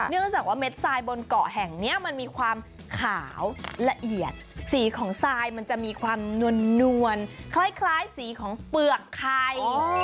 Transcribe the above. เนื่องจากว่าเม็ดทรายบนเกาะแห่งนี้มันมีความขาวละเอียดสีของทรายมันจะมีความนวลคล้ายสีของเปลือกไข่